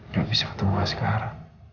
gak bisa ketemu askara